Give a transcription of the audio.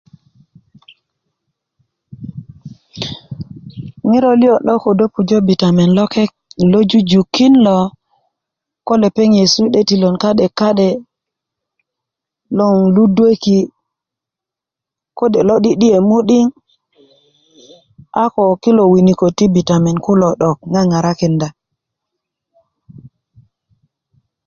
ŋiro lio lo kodo pujo bitamen lo ke jujukin lo ko lepeŋ nyesu 'detilon ka'de ka'de loŋ ludweki kode lo 'di'iye mudiŋ a ko kilo winiko ti bitamen kulo 'dok ŋaŋarakinda